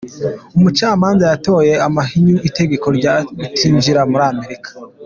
Umucamanza yatoye amahinyu itegeko ryo kutinjira muri Amerika.